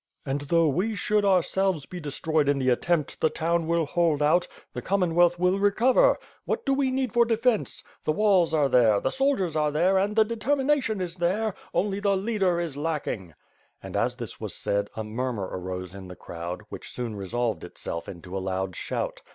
"And though we should ourselves be destroyed in the attempt, the town will hold out, the Commonwealth will re cover! What do we need for defence? The walls are there, the soldiers are there and the determination is there — only the leader is lacking!" And, as this was said, a murmur arose in the crowd, which soon resolved itself into a loud shout.